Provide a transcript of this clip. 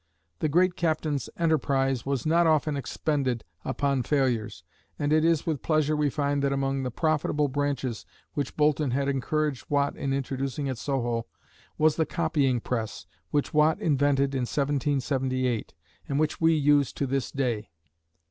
The great captain's enterprise was not often expended upon failures, and it is with pleasure we find that among the profitable branches which Boulton had encouraged Watt in introducing at Soho, was the copying press, which Watt invented in 1778, and which we use to this day.